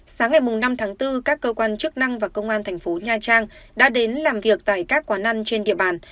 sáng ngày năm tháng bốn các cơ quan chức năng và công an thành phố nha trang đã đến làm việc tại các quán ăn trên địa bàn